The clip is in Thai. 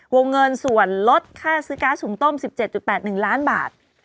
วงเงินส่วนลดค่าซื้อก๊าซหุงต้ม๑๗๘๑ล้านบาท